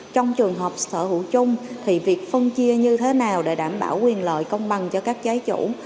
trong trường hợp sở hữu chung thì việc phân chia như thế nào để đảm bảo quyền lợi công bằng cho các trái chủ